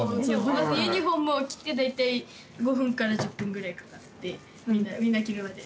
まずユニフォームを着て大体５分から１０分ぐらいかかってみんな着るまで。